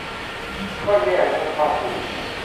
ก็แย่และไม่ครอบคลุม